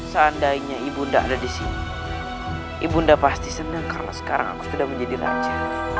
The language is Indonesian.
seandainya ibu ndak ada disini ibu ndak pasti senang kalau sekarang aku sudah menjadi raja